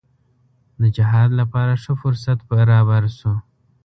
د جهاد لپاره ښه فرصت برابر شو.